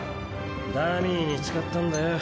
ダミーに使ったんだよ。